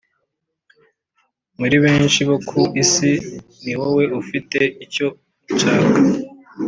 muri benshi bo ku isi ni wowe ufite icyo nshaka